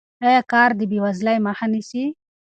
آیا کار د بې وزلۍ مخه نیسي؟